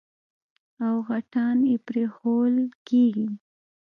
او غټان يې پرېښوول کېږي.